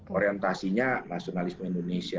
orientasinya nasionalisme indonesia